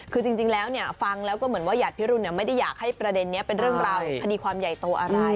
คือจริงแล้วฟังแล้วก็เหมือนว่าหยาดพิรุนไม่ได้อยากให้ประเด็นนี้เป็นเรื่องราวคดีความใหญ่โตอะไร